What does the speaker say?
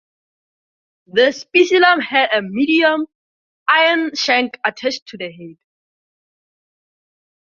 The spiculum had a medium iron shank attached to the head.